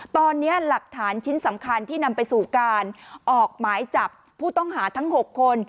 ตอนนี้หลักฐานชิ้นสำคัญที่นำไปสู่การออกหมายจับผู้ต้องหาทั้ง๖คน